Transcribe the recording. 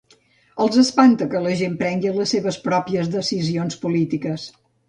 Els espanta que la gent prengui les seves pròpies decisions polítiques.